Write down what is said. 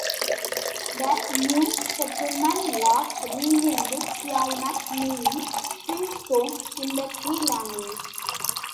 The new settlement was renamed Peawanuck, meaning "flintstone" in the Cree language.